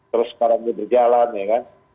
terus sekarang ini berjalan ya kan